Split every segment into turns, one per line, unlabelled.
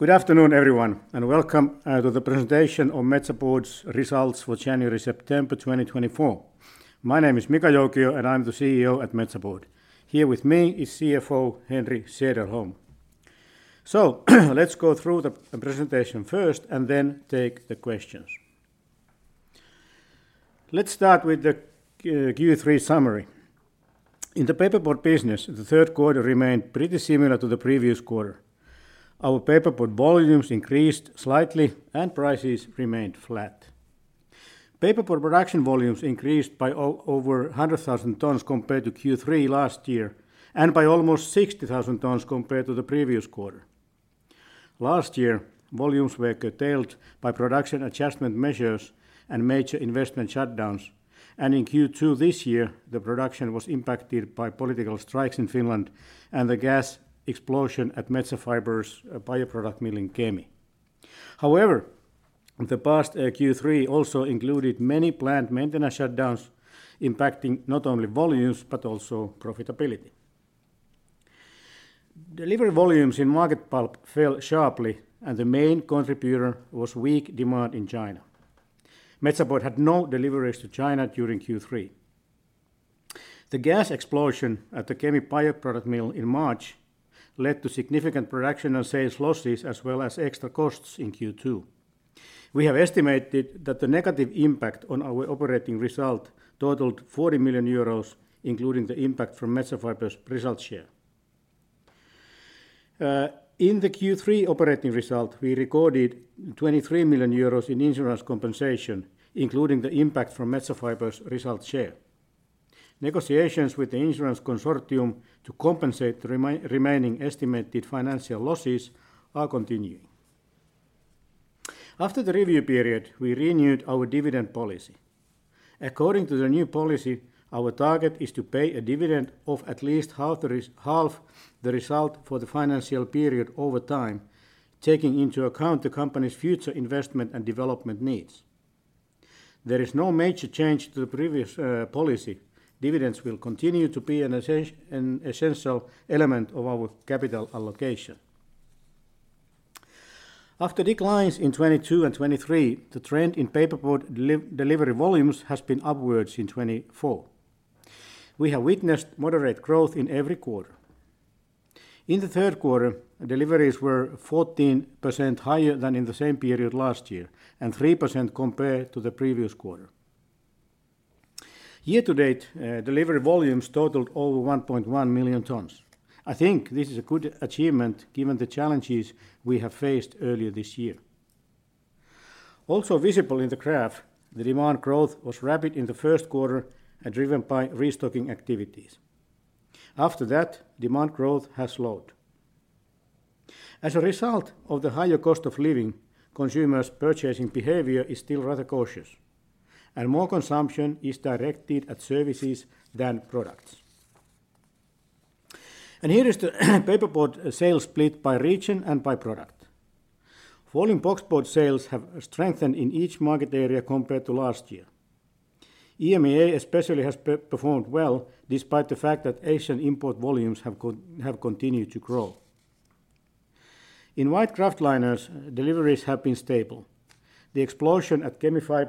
Good afternoon, everyone, and welcome to the presentation of Metsä Board's results for January-September 2024. My name is Mika Joukio, and I'm the CEO at Metsä Board. Here with me is CFO, Henri Sederholm. So let's go through the presentation first, and then take the questions. Let's start with the Q3 summary. In the paperboard business, the third quarter remained pretty similar to the previous quarter. Our paperboard volumes increased slightly, and prices remained flat. Paperboard production volumes increased by over 100,000 tons compared to Q3 last year, and by almost 60,000 tons compared to the previous quarter. Last year, volumes were curtailed by production adjustment measures and major investment shutdowns, and in Q2 this year, the production was impacted by political strikes in Finland and the gas explosion at Metsä Fibre's bioproduct mill in Kemi. However, the past Q3 also included many planned maintenance shutdowns, impacting not only volumes, but also profitability. Delivery volumes in market pulp fell sharply, and the main contributor was weak demand in China. Metsä Board had no deliveries to China during Q3. The gas explosion at the Kemi bioproduct mill in March led to significant production and sales losses, as well as extra costs in Q2. We have estimated that the negative impact on our operating result totaled 40 million euros, including the impact from Metsä Fibre's result share. In the Q3 operating result, we recorded 23 million euros in insurance compensation, including the impact from Metsä Fibre's result share. Negotiations with the insurance consortium to compensate the remaining estimated financial losses are continuing. After the review period, we renewed our dividend policy. According to the new policy, our target is to pay a dividend of at least half the result for the financial period over time, taking into account the company's future investment and development needs. There is no major change to the previous policy. Dividends will continue to be an essential element of our capital allocation. After declines in 2022 and 2023, the trend in paperboard delivery volumes has been upwards in 2024. We have witnessed moderate growth in every quarter. In the third quarter, deliveries were 14% higher than in the same period last year, and 3% compared to the previous quarter. Year to date, delivery volumes totaled over 1.1 million tons. I think this is a good achievement, given the challenges we have faced earlier this year. Also visible in the graph, the demand growth was rapid in the first quarter and driven by restocking activities. After that, demand growth has slowed. As a result of the higher cost of living, consumers' purchasing behavior is still rather cautious, and more consumption is directed at services than products. Here is the paperboard sales split by region and by product. Folding boxboard sales have strengthened in each market area compared to last year. EMEA, especially, has performed well, despite the fact that Asian import volumes have continued to grow. In white kraftliners, deliveries have been stable. The explosion at Metsä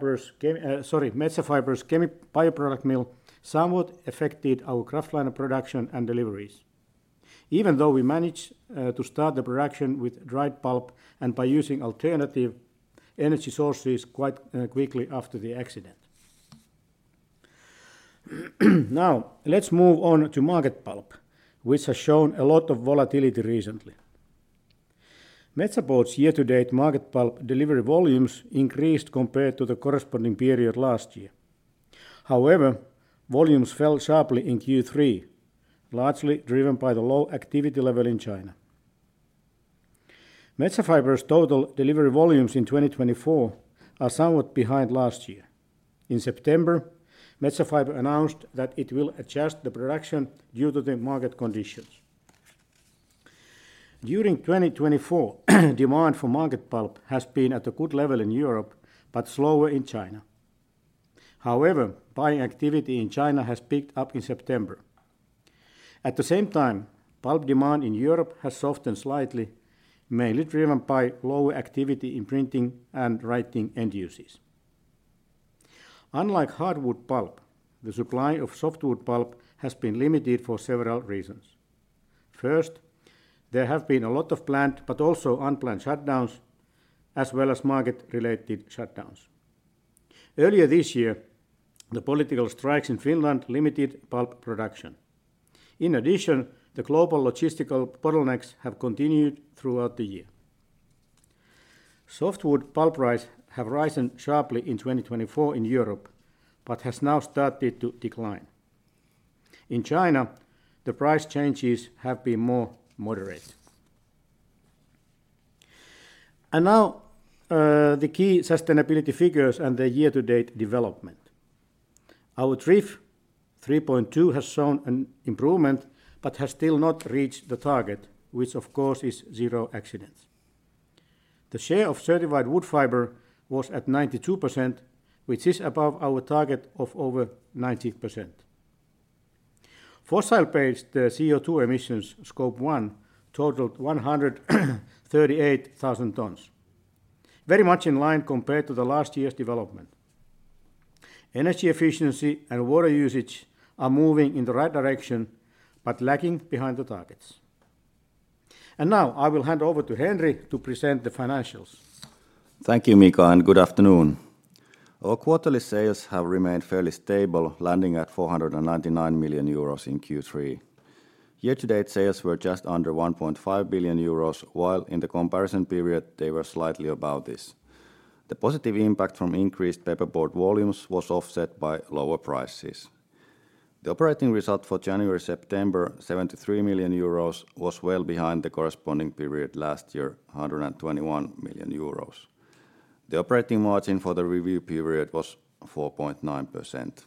Fibre's Kemi bioproduct mill somewhat affected our kraftliner production and deliveries. Even though we managed to start the production with dried pulp and by using alternative energy sources quite quickly after the accident. Now, let's move on to market pulp, which has shown a lot of volatility recently. Metsä Board's year-to-date market pulp delivery volumes increased compared to the corresponding period last year. However, volumes fell sharply in Q3, largely driven by the low activity level in China. Metsä Fibre's total delivery volumes in twenty twenty-four are somewhat behind last year. In September, Metsä Fibre announced that it will adjust the production due to the market conditions. During twenty twenty-four, demand for market pulp has been at a good level in Europe, but slower in China. However, buying activity in China has picked up in September. At the same time, pulp demand in Europe has softened slightly, mainly driven by low activity in printing and writing end uses. Unlike hardwood pulp, the supply of softwood pulp has been limited for several reasons. First, there have been a lot of planned, but also unplanned shutdowns, as well as market-related shutdowns. Earlier this year, the political strikes in Finland limited pulp production. In addition, the global logistical bottlenecks have continued throughout the year. Softwood pulp prices have risen sharply in 2024 in Europe, but has now started to decline. In China, the price changes have been more moderate, and now the key sustainability figures and the year-to-date development. Our TRIF 3.2 has shown an improvement, but has still not reached the target, which of course, is zero accidents. The share of certified wood fiber was at 92%, which is above our target of over 90%. Fossil-based CO2 emissions, Scope 1, totaled 138,000 tons. Very much in line compared to the last year's development. Energy efficiency and water usage are moving in the right direction, but lagging behind the targets. And now, I will hand over to Henri to present the financials.
Thank you, Mika, and good afternoon. Our quarterly sales have remained fairly stable, landing at 499 million euros in Q3. Year-to-date sales were just under 1.5 billion euros, while in the comparison period, they were slightly above this. The positive impact from increased paperboard volumes was offset by lower prices. The operating result for January-September, 73 million euros, was well behind the corresponding period last year, 121 million euros. The operating margin for the review period was 4.9%.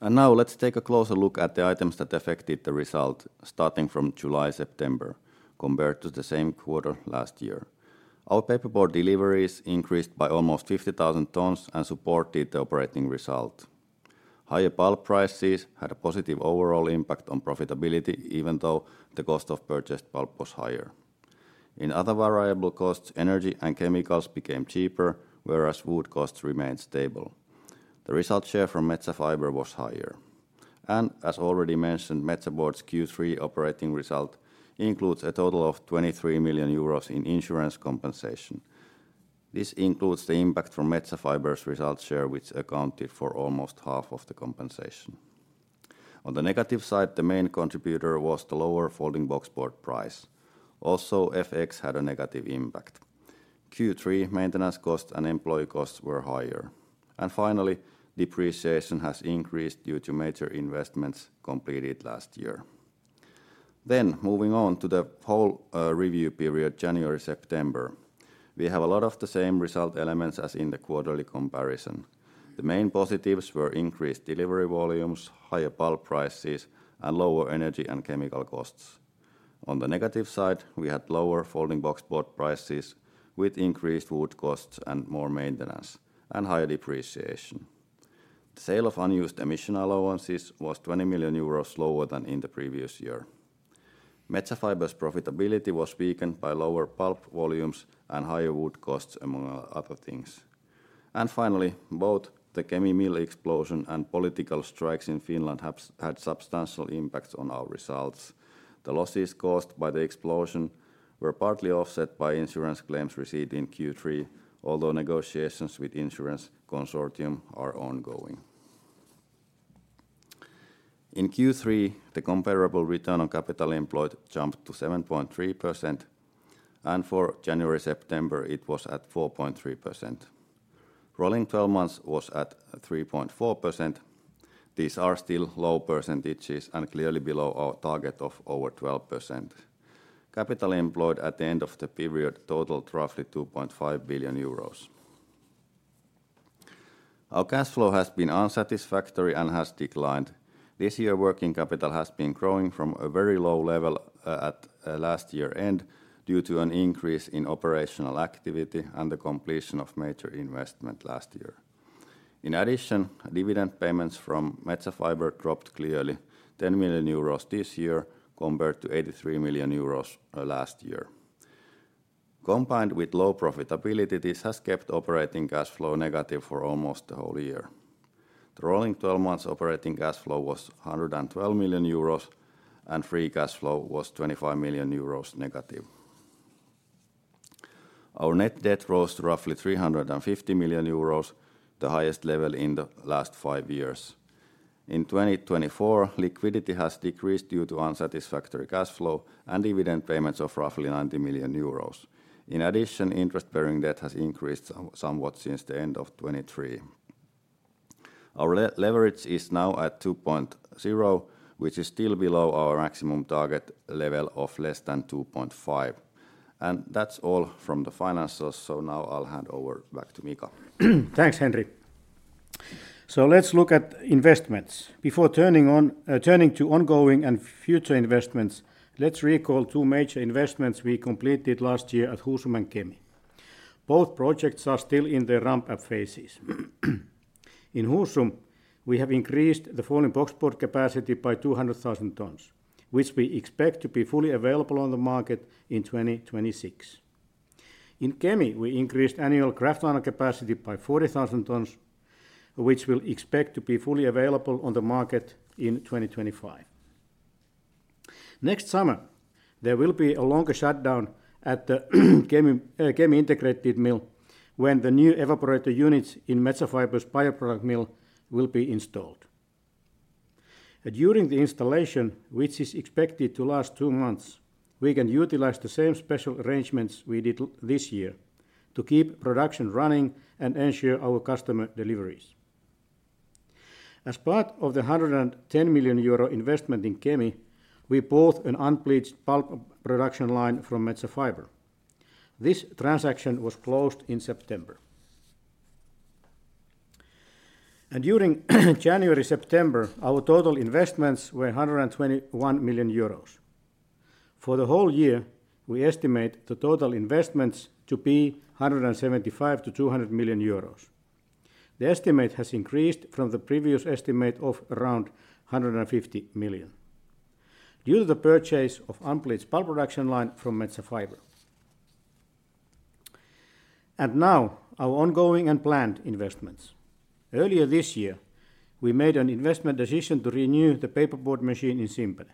And now, let's take a closer look at the items that affected the result, starting from July-September, compared to the same quarter last year. Our paperboard deliveries increased by almost 50,000 tons and supported the operating result. Higher pulp prices had a positive overall impact on profitability, even though the cost of purchased pulp was higher. In other variable costs, energy and chemicals became cheaper, whereas wood costs remained stable. The result share from Metsä Fibre was higher, and as already mentioned, Metsä Board's Q3 operating result includes a total of 23 million euros in insurance compensation. This includes the impact from Metsä Fibre's result share, which accounted for almost half of the compensation. On the negative side, the main contributor was the lower folding boxboard price. Also, FX had a negative impact. Q3 maintenance costs and employee costs were higher, and finally, depreciation has increased due to major investments completed last year, then moving on to the whole review period, January-September. We have a lot of the same result elements as in the quarterly comparison. The main positives were increased delivery volumes, higher pulp prices, and lower energy and chemical costs. On the negative side, we had lower folding boxboard prices with increased wood costs and more maintenance, and higher depreciation. The sale of unused emission allowances was 20 million euros lower than in the previous year. Metsä Fibre's profitability was weakened by lower pulp volumes and higher wood costs, among other things. Finally, both the Kemi mill explosion and political strikes in Finland have had substantial impacts on our results. The losses caused by the explosion were partly offset by insurance claims received in Q3, although negotiations with insurance consortium are ongoing. In Q3, the comparable return on capital employed jumped to 7.3%, and for January-September, it was at 4.3%. Rolling twelve months was at 3.4%. These are still low percentages and clearly below our target of over 12%. Capital employed at the end of the period totaled roughly 2.5 billion euros. Our cash flow has been unsatisfactory and has declined. This year, working capital has been growing from a very low level last year-end, due to an increase in operational activity and the completion of major investment last year. In addition, dividend payments from Metsä Fibre dropped clearly 10 million euros this year, compared to 83 million euros last year. Combined with low profitability, this has kept operating cash flow negative for almost the whole year. The rolling 12 months operating cash flow was 112 million euros, and free cash flow was negative 25 million euros. Our net debt rose to roughly 350 million euros, the highest level in the last five years. In 2024, liquidity has decreased due to unsatisfactory cash flow and dividend payments of roughly 90 million euros. In addition, interest-bearing debt has increased somewhat since the end of 2023. Our leverage is now at 2.0, which is still below our maximum target level of less than 2.5. That's all from the financials, so now I'll hand over back to Mika.
Thanks, Henri. So let's look at investments. Before turning on, turning to ongoing and future investments, let's recall two major investments we completed last year at Husum and Kemi. Both projects are still in their ramp-up phases. In Husum, we have increased the folding boxboard capacity by two hundred thousand tons, which we expect to be fully available on the market in twenty twenty-six. In Kemi, we increased annual kraftliner capacity by forty thousand tons, which we'll expect to be fully available on the market in twenty twenty-five. Next summer, there will be a longer shutdown at the Kemi Integrated Mill, when the new evaporator units in Metsä Fibre's bioproduct mill will be installed. During the installation, which is expected to last two months, we can utilize the same special arrangements we did this year to keep production running and ensure our customer deliveries. As part of the 110 million euro investment in Kemi, we bought an unbleached pulp production line from Metsä Fibre. This transaction was closed in September, and during January-September, our total investments were 121 million euros. For the whole year, we estimate the total investments to be 175 million-200 million euros. The estimate has increased from the previous estimate of around 150 million due to the purchase of unbleached pulp production line from Metsä Fibre, and now, our ongoing and planned investments. Earlier this year, we made an investment decision to renew the paperboard machine in Simpele.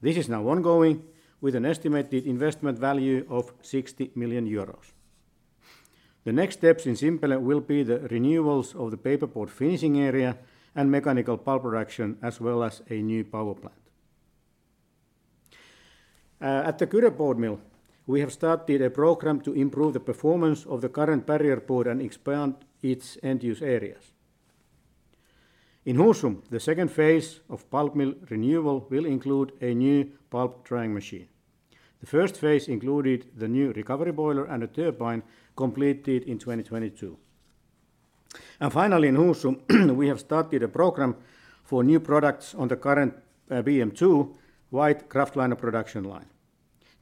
This is now ongoing, with an estimated investment value of 60 million euros. The next steps in Simpele will be the renewals of the paperboard finishing area and mechanical pulp production, as well as a new power plant. At the Kyyjärvi board mill, we have started a program to improve the performance of the current barrier board and expand its end-use areas. In Husum, the second phase of pulp mill renewal will include a new pulp drying machine. The first phase included the new recovery boiler and a turbine completed in 2022. Finally, in Husum, we have started a program for new products on the current BM2 two wide kraftliner production line.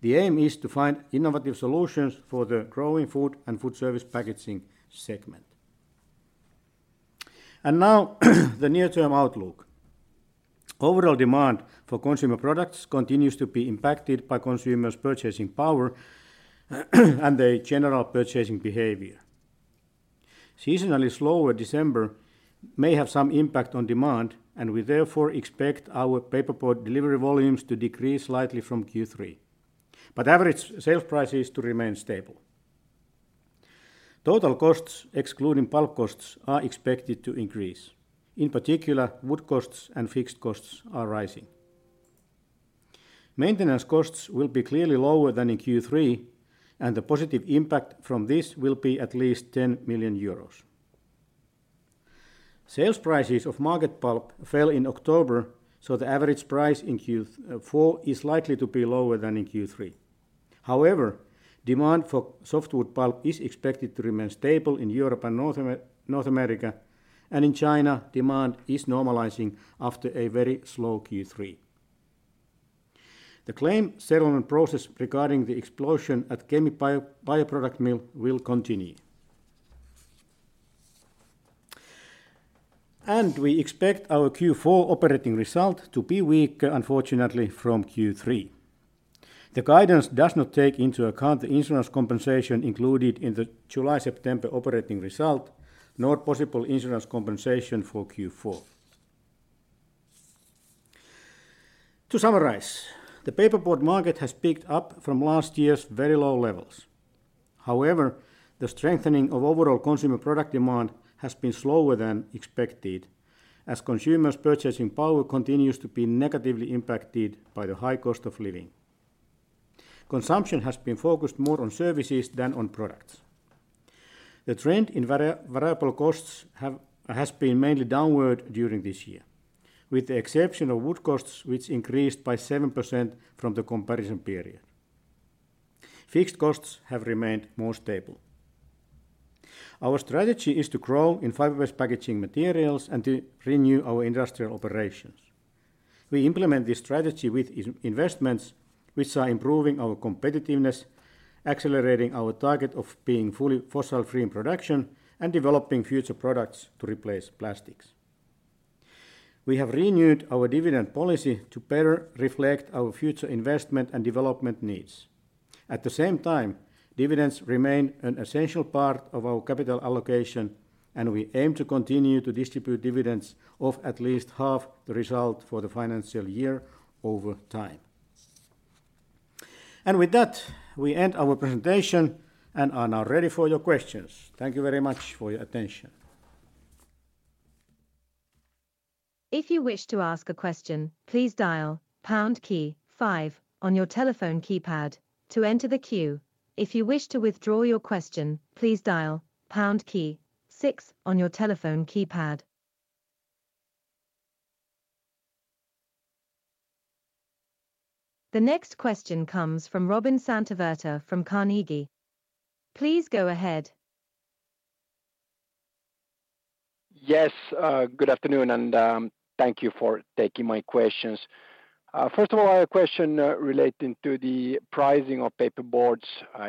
The aim is to find innovative solutions for the growing food and food service packaging segment. Now, the near-term outlook. Overall demand for consumer products continues to be impacted by consumers' purchasing power, and their general purchasing behavior. Seasonally slower December may have some impact on demand, and we therefore expect our paperboard delivery volumes to decrease slightly from Q3, but average sales prices to remain stable. Total costs, excluding pulp costs, are expected to increase. In particular, wood costs and fixed costs are rising. Maintenance costs will be clearly lower than in Q3, and the positive impact from this will be at least 10 million euros. Sales prices of market pulp fell in October, so the average price in Q4 is likely to be lower than in Q3. However, demand for softwood pulp is expected to remain stable in Europe and North America, and in China, demand is normalizing after a very slow Q3. The claim settlement process regarding the explosion at Kemi Bioproduct Mill will continue. And we expect our Q4 operating result to be weaker, unfortunately, from Q3. The guidance does not take into account the insurance compensation included in the July-September operating result, nor possible insurance compensation for Q4. To summarize, the paperboard market has picked up from last year's very low levels. However, the strengthening of overall consumer product demand has been slower than expected, as consumers' purchasing power continues to be negatively impacted by the high cost of living. Consumption has been focused more on services than on products. The trend in variable costs has been mainly downward during this year, with the exception of wood costs, which increased by 7% from the comparison period. Fixed costs have remained more stable. Our strategy is to grow in fiber-based packaging materials and to renew our industrial operations. We implement this strategy with investments which are improving our competitiveness, accelerating our target of being fully fossil-free in production, and developing future products to replace plastics. We have renewed our dividend policy to better reflect our future investment and development needs. At the same time, dividends remain an essential part of our capital allocation, and we aim to continue to distribute dividends of at least half the result for the financial year over time. And with that, we end our presentation and are now ready for your questions. Thank you very much for your attention.
If you wish to ask a question, please dial pound key five on your telephone keypad to enter the queue. If you wish to withdraw your question, please dial pound key six on your telephone keypad. The next question comes from Robin Santavirta from Carnegie. Please go ahead.
Yes, good afternoon, and thank you for taking my questions. First of all, I have a question relating to the pricing of paperboards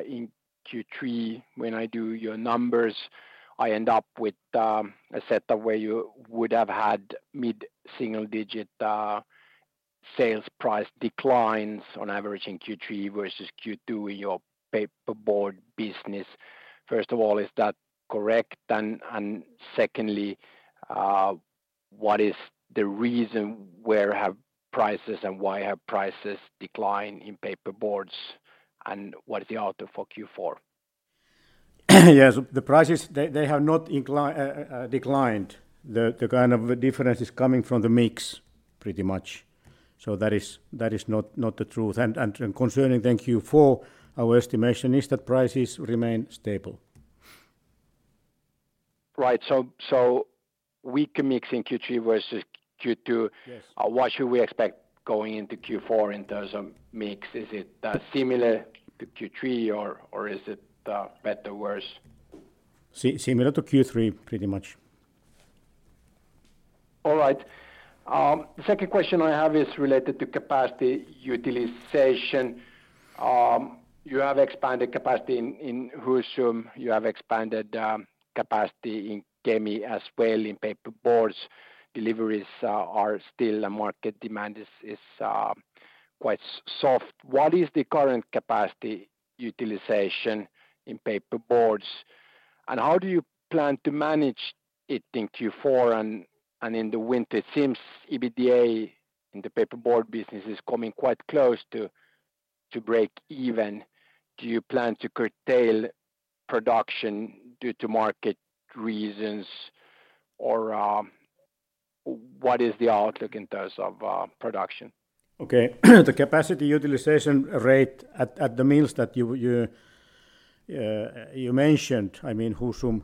in Q3. When I do your numbers, I end up with a setup where you would have had mid-single-digit sales price declines on average in Q3 versus Q2 in your paperboard business. First of all, is that correct? And secondly, what is the reason, where have prices and why have prices declined in paperboards, and what is the outlook for Q4?
Yes, the prices, they have not declined. The kind of difference is coming from the mix, pretty much, so that is not the truth. Concerning the Q4, our estimation is that prices remain stable.
Right. So, so weaker mix in Q3 versus Q2-
Yes.
What should we expect going into Q4 in terms of mix? Is it similar to Q3, or is it better or worse?
Similar to Q3, pretty much.
All right. The second question I have is related to capacity utilization. You have expanded capacity in Husum, you have expanded capacity in Kemi as well, in paperboards. Deliveries are still. Market demand is quite soft. What is the current capacity utilization in paperboards, and how do you plan to manage it in Q4 and in the winter? It seems EBITDA in the paperboard business is coming quite close to break even. Do you plan to curtail production due to market reasons or what is the outlook in terms of production?
Okay. The capacity utilization rate at the mills that you mentioned, I mean, Husum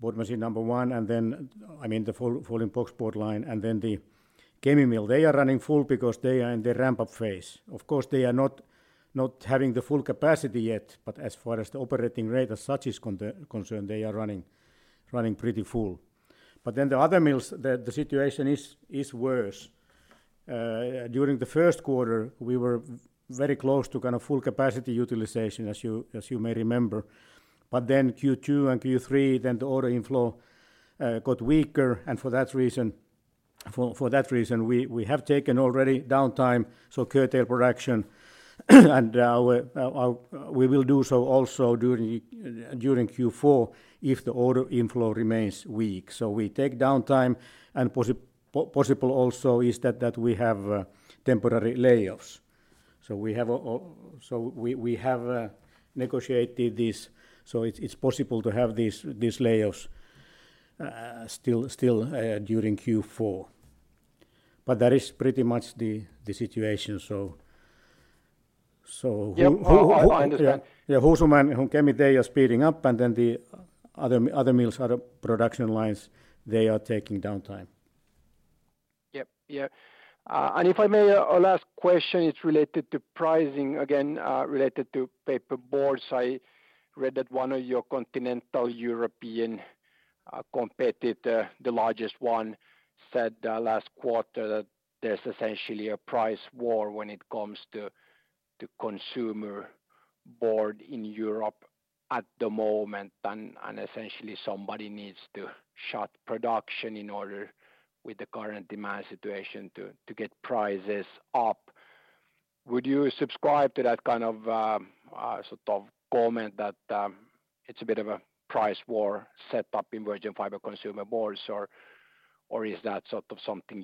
board machine number one, and then, I mean, the folding boxboard line and then the Kemi mill. They are running full because they are in the ramp-up phase. Of course, they are not having the full capacity yet, but as far as the operating rate as such is concerned, they are running pretty full. But then the other mills, the situation is worse. During the first quarter, we were very close to kind of full capacity utilization, as you may remember. But then Q2 and Q3, then the order inflow got weaker, and for that reason, we have taken already downtime, so curtail production, and our... We will do so also during Q4 if the order inflow remains weak. So we take downtime, and possible also is that we have temporary layoffs. So we have negotiated this, so it's possible to have these layoffs still during Q4. But that is pretty much the situation. So
Yeah. I understand.
Yeah, Husum and Kemi, they are speeding up, and then the other mills, other production lines, they are taking downtime.
Yep. Yeah. And if I may, our last question is related to pricing, again, related to paperboards. I read that one of your continental European competitor, the largest one, said last quarter that there's essentially a price war when it comes to consumer board in Europe at the moment, and essentially somebody needs to shut production in order with the current demand situation to get prices up. Would you subscribe to that kind of sort of comment that it's a bit of a price war set up in virgin fiber consumer boards, or is that sort of something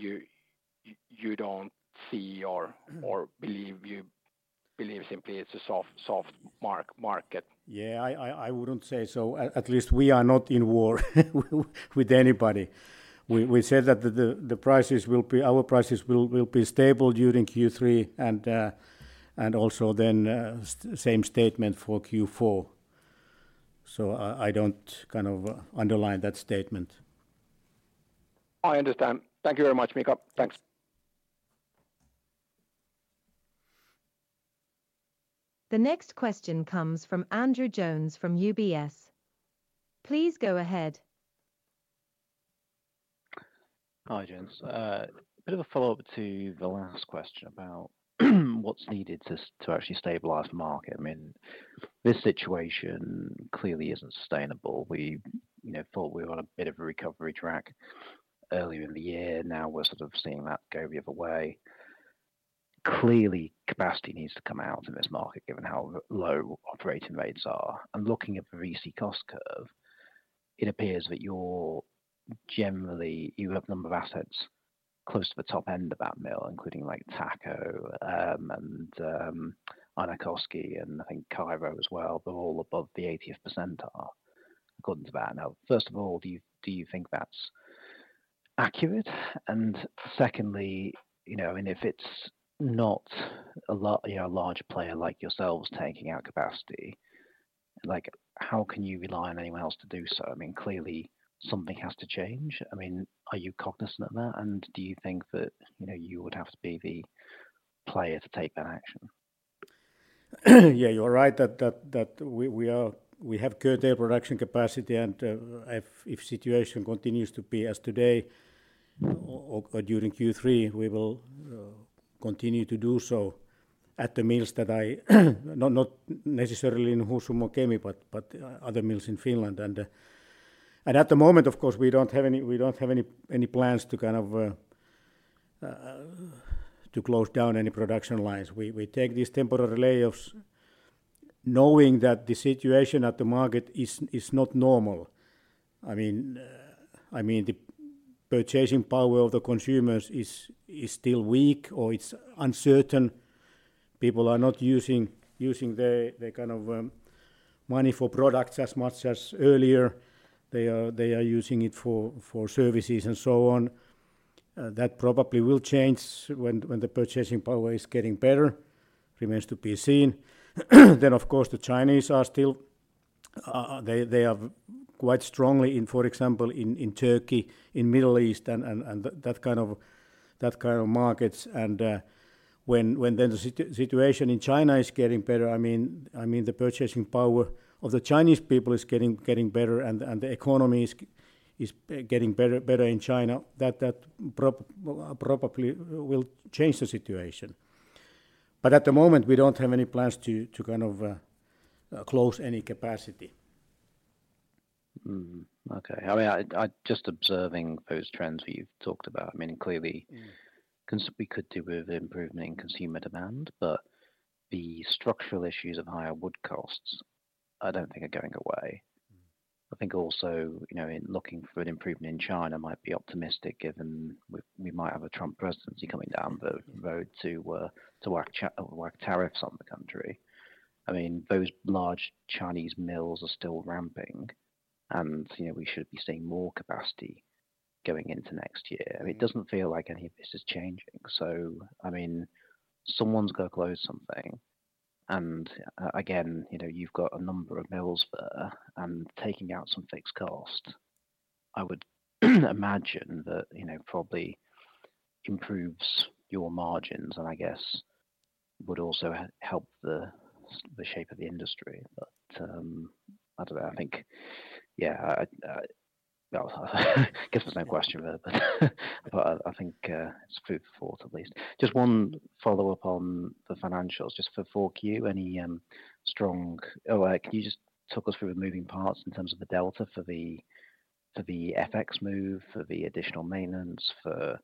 you don't see or-
Mm
Or believe simply it's a soft market?
Yeah, I wouldn't say so. At least we are not in war with anybody. We said that the prices will be... our prices will be stable during Q3 and also then same statement for Q4. So I don't kind of underline that statement.
I understand. Thank you very much, Mika. Thanks.
The next question comes from Andrew Jones from UBS. Please go ahead.
Hi, Jones. Bit of a follow-up to the last question about what's needed to actually stabilize the market. I mean, this situation clearly isn't sustainable. We, you know, thought we were on a bit of a recovery track earlier in the year, now we're sort of seeing that go the other way. Clearly, capacity needs to come out in this market, given how low operating rates are. And looking at the RISI cost curve, it appears that you're generally you have a number of assets close to the top end of that mill, including like Tako, and Äänekoski, and I think Kyro as well. They're all above the eightieth percentile according to that. Now, first of all, do you think that's accurate? And secondly, you know, and if it's not a lot, you know, a larger player like yourselves taking out capacity, like, how can you rely on anyone else to do so? I mean, clearly, something has to change. I mean, are you cognizant of that, and do you think that, you know, you would have to be the player to take that action?
Yeah, you're right that we have curtailed production capacity, and if situation continues to be as today or during Q3, we will continue to do so at the mills. Not necessarily in Husum or Kemi, but other mills in Finland, and at the moment, of course, we don't have any plans to kind of close down any production lines. We take these temporary layoffs knowing that the situation at the market is not normal. I mean, the purchasing power of the consumers is still weak or it's uncertain. People are not using their kind of money for products as much as earlier. They are using it for services and so on. That probably will change when the purchasing power is getting better, remains to be seen. Then, of course, the Chinese are still quite strongly in, for example, in Turkey, in Middle East, and that kind of markets, and when then the situation in China is getting better, I mean, the purchasing power of the Chinese people is getting better and the economy is getting better in China, that probably will change the situation. But at the moment, we don't have any plans to kind of close any capacity.
Mm-hmm. Okay. I mean, I just observing those trends you've talked about, I mean, clearly-
Mm
We could do with improvement in consumer demand, but the structural issues and higher wood costs, I don't think are going away. I think also, you know, in looking for an improvement in China might be optimistic, given we might have a Trump presidency coming down the road to whack tariffs on the country. I mean, those large Chinese mills are still ramping and, you know, we should be seeing more capacity going into next year. I mean, it doesn't feel like any of this is changing. So I mean, someone's got to close something, and again, you know, you've got a number of mills there, and taking out some fixed cost, I would imagine that, you know, probably improves your margins, and I guess would also help the shape of the industry. But I don't know. I think, yeah, I guess there's no question there, but I think it's food for thought at least. Just one follow-up on the financials, just for 4Q, any strong. Oh, can you just talk us through the moving parts in terms of the delta for the FX move, for the additional maintenance, for,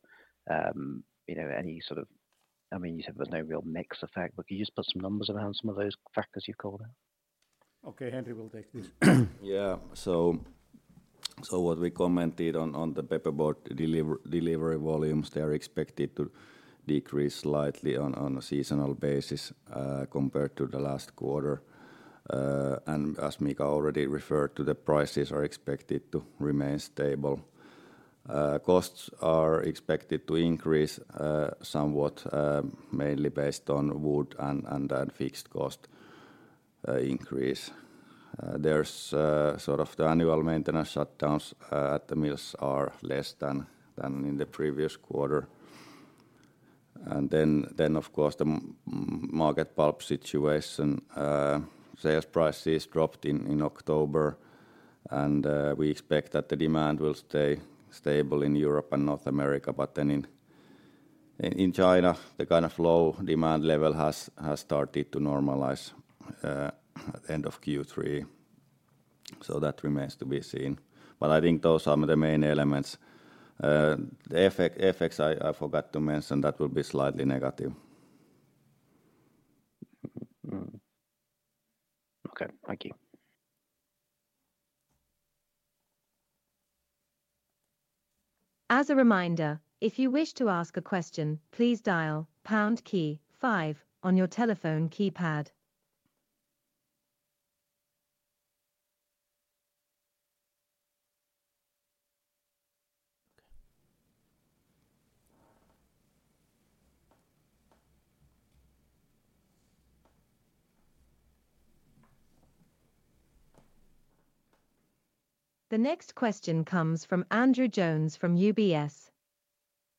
you know, any sort of, I mean, you said there was no real mix effect, but can you just put some numbers around some of those factors you called out?
Okay, Henri will take this.
Yeah. So what we commented on, on the paperboard delivery volumes, they are expected to decrease slightly on a seasonal basis compared to the last quarter. And as Mika already referred to, the prices are expected to remain stable. Costs are expected to increase somewhat mainly based on wood and fixed cost increase. There's sort of the annual maintenance shutdowns at the mills are less than in the previous quarter. And then of course the market pulp situation. Sales prices dropped in October, and we expect that the demand will stay stable in Europe and North America. But then in China, the kind of low demand level has started to normalize at end of Q3. So that remains to be seen. But I think those are the main elements. The effect, FX, I forgot to mention, that will be slightly negative.
Okay. Thank you.
As a reminder, if you wish to ask a question, please dial pound key five on your telephone keypad. The next question comes from Andrew Jones from UBS.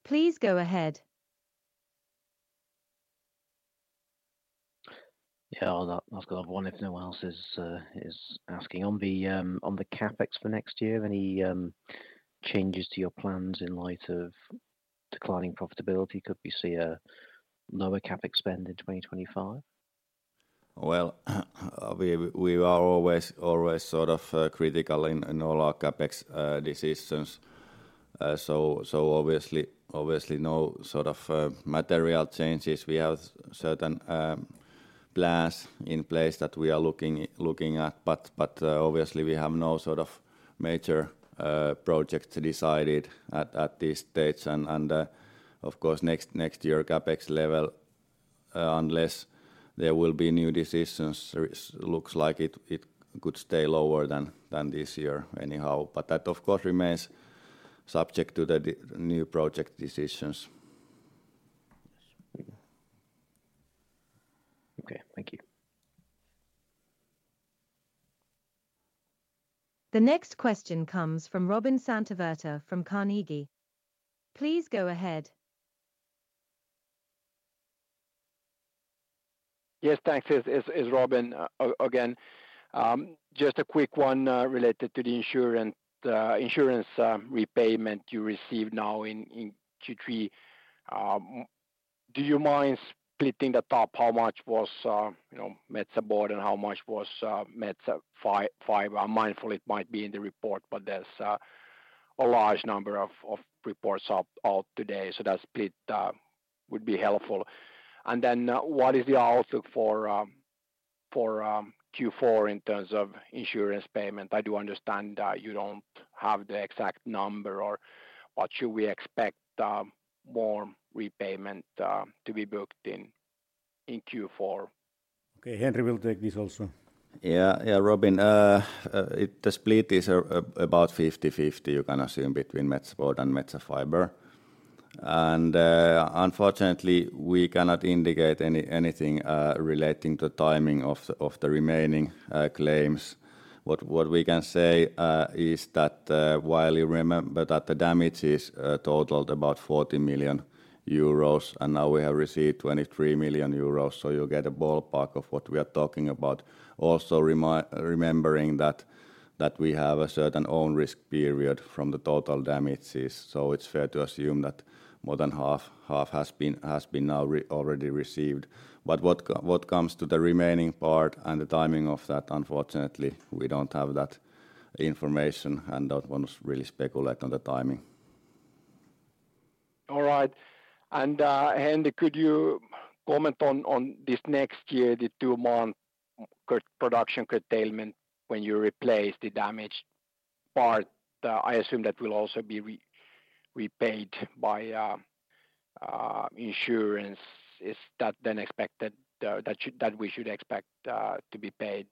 Please go ahead.
Yeah, I'll go up one if no one else is asking. On the CapEx for next year, any changes to your plans in light of declining profitability? Could we see a lower CapEx spend in 2025?
We are always sort of critical in all our CapEx decisions. Obviously, no sort of material changes. We have certain plans in place that we are looking at, but obviously we have no sort of major projects decided at this stage. Of course, next year CapEx level, unless there will be new decisions, it looks like it could stay lower than this year anyhow. That, of course, remains subject to the new project decisions.
Okay, thank you.
The next question comes from Robin Santavirta from Carnegie. Please go ahead.
Yes, thanks. It's Robin again. Just a quick one related to the insurance repayment you received now in Q3. Do you mind splitting it out, how much was, you know, Metsä Board, and how much was Metsä Fibre? I'm mindful it might be in the report, but there's a large number of reports out today, so that split would be helpful. And then, what is the outlook for Q4 in terms of insurance payment? I do understand that you don't have the exact number, or what should we expect, more repayment to be booked in Q4?
Okay, Henri will take this also.
Yeah. Yeah, Robin, it. The split is about fifty-fifty, you can assume, between Metsä Board and Metsä Fibre. And, unfortunately, we cannot indicate anything relating to timing of the remaining claims. What we can say is that, while you remember but that the damage is totaled about 40 million euros, and now we have received 23 million euros, so you get a ballpark of what we are talking about. Also remembering that we have a certain own risk period from the total damages, so it's fair to assume that more than half has been now already received. But what comes to the remaining part and the timing of that, unfortunately, we don't have that information, and don't want to really speculate on the timing.
All right. And, Henri, could you comment on this next year, the two-month production curtailment when you replace the damaged part? I assume that will also be repaid by insurance. Is that then expected that we should expect to be paid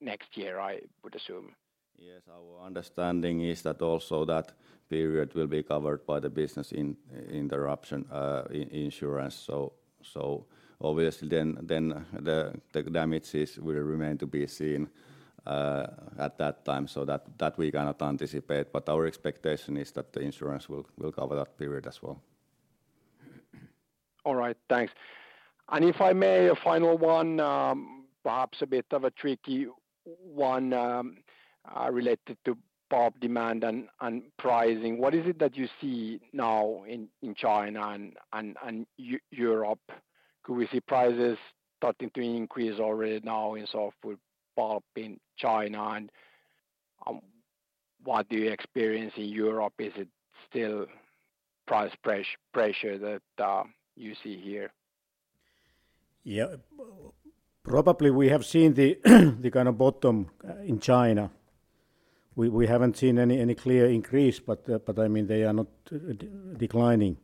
next year, I would assume?
Yes, our understanding is that also that period will be covered by the business interruption insurance, so obviously then the damages will remain to be seen at that time, so that we cannot anticipate, but our expectation is that the insurance will cover that period as well.
All right, thanks. And if I may, a final one, perhaps a bit of a tricky one, related to pulp demand and Europe? Could we see prices starting to increase already now in softwood pulp in China? And, what do you experience in Europe? Is it still price pressure that you see here?
Yeah, probably we have seen the kind of bottom in China. We haven't seen any clear increase, but I mean, they are not declining,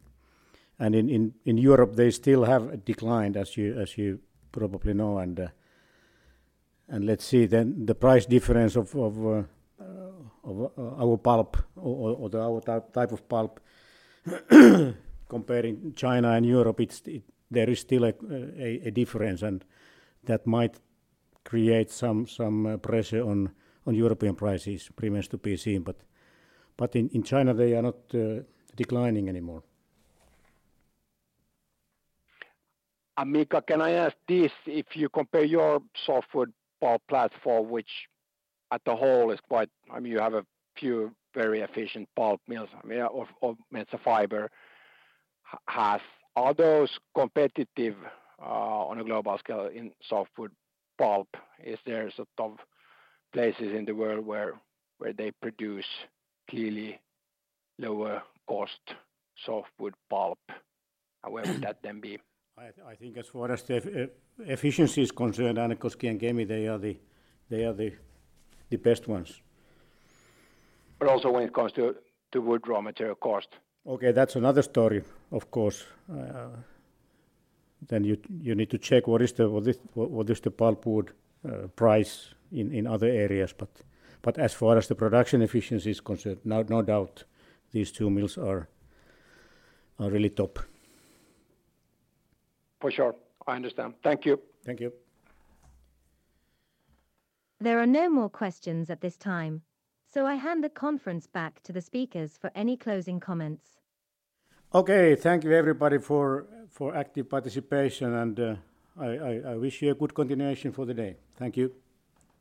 and in Europe, they still have declined, as you probably know, and let's see then the price difference of our pulp or our type of pulp, comparing China and Europe, there is still a difference, and that might create some pressure on European prices. Remains to be seen, but in China, they are not declining anymore.
And Mika, can I ask this: if you compare your softwood pulp platform, which at the whole is quite... I mean, you have a few very efficient pulp mills, I mean, of Metsä Fibre. Has others competitive on a global scale in softwood pulp? Is there sort of places in the world where they produce clearly lower cost softwood pulp, and where would that then be?
I think as far as the efficiency is concerned, Hanko and Kemi, they are the best ones.
But also when it comes to wood raw material cost.
Okay, that's another story, of course. Then you need to check what is the pulpwood price in other areas. But as far as the production efficiency is concerned, no doubt, these two mills are really top.
For sure. I understand. Thank you.
Thank you.
There are no more questions at this time, so I hand the conference back to the speakers for any closing comments.
Okay, thank you, everybody, for active participation, and I wish you a good continuation for the day. Thank you.